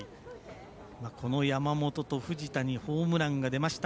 この山本と藤田にホームランが出ました。